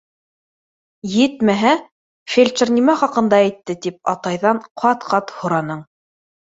Етмәһә, фельдшер нимә хаҡында әйтте, тип атайҙан ҡат-ҡат һораның.